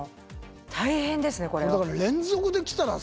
大変ですねこれは。